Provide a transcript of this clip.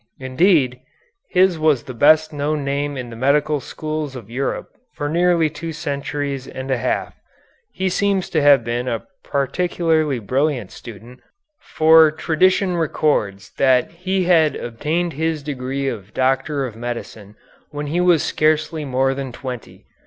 Indeed, his was the best known name in the medical schools of Europe for nearly two centuries and a half. He seems to have been a particularly brilliant student, for tradition records that he had obtained his degree of doctor of medicine when he was scarcely more than twenty.